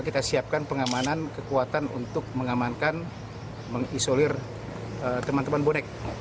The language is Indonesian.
kita siapkan pengamanan kekuatan untuk mengamankan mengisolir teman teman bonek